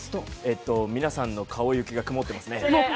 皆さんの顔行きが曇っていますね。